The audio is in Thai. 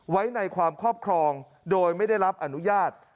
ไว้ในความครอบครองโดยไม่ได้รับอนุญาต